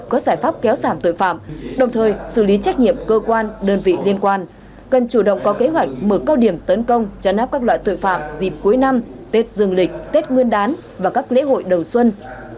có giải pháp kéo giảm tội phạm đồng thời xử lý trách nhiệm cơ quan đơn vị liên quan cần chủ động có kế hoạch mở cao điểm tấn công chấn áp các loại tội phạm dịp cuối năm tết dương lịch tết nguyên đán và các lễ hội đầu xuân